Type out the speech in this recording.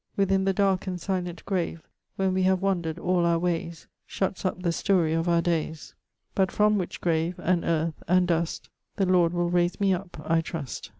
Within the darke and silent grave, When we have wandered all our wayes, Shutts up the story of our dayes. But from which grave and earth and dust The Lord will rayse me up I trust.